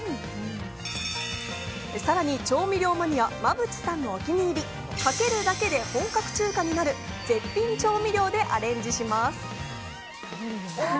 さらに調味料マニア・馬淵さんのお気に入り、かけるだけで本格中華になる絶品調味料でアレンジします。